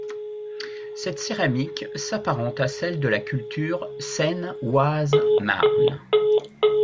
Cette céramique s'apparente à celle de la culture Seine-Oise-Marne.